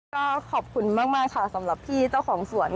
ก็ขอบคุณมากค่ะสำหรับพี่เจ้าของสวน